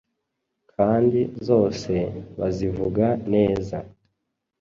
kandi zose bazivuga neza.